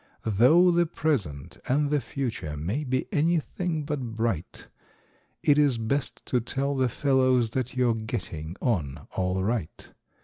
Though the present and the future may be anything but bright. It is best to tell the fellows that you're getting on all right.